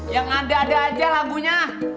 yang ada ada aja lagunya